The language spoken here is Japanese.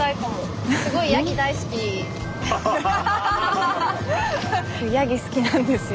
スタジオヤギ好きなんですよ。